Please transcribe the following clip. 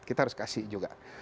kita harus kasih juga